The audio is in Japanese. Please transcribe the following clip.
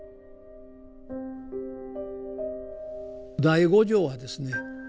第五条はですね